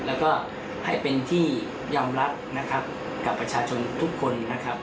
และก็ให้เป็นที่ยอมรับกับประชาชนทุกคน